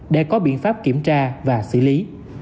để có biện pháp kiểm tra và xử lý